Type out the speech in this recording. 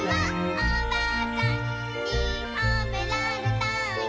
「おばあちゃんにほめられたよ」